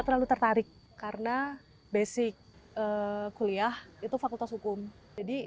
kalau orang baik saya rasa dijaga juga